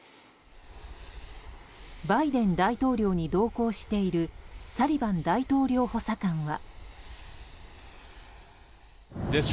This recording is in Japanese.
バイデン大統領に同行しているサリバン大統領補佐官は。